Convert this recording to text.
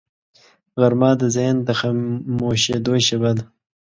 غرمه د ذهن د خاموشیدو شیبه ده